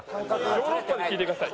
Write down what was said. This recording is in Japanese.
ヨーロッパで聞いてください。